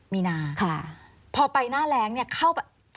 มีนาค่ะพอไปหน้าแรงเข้าไป